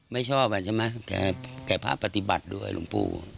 ไม่ชอบอ่ะใช่ไหมแต่พระปฏิบัติด้วยหลวงปู่